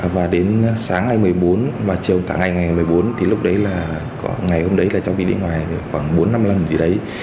và đến sáng ngày một mươi bốn và chiều cả ngày ngày một mươi bốn thì lúc đấy là có ngày hôm đấy là cháu đi ngoài khoảng bốn năm lần gì đấy